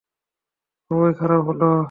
খুবই খারাপ হলো।